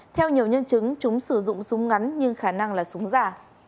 theo nhiều nhân chứng chúng sử dụng súng ngắn nhưng khả năng là súng giả